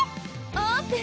オープン！